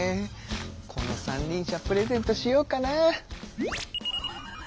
この三輪車プレゼントしようかな。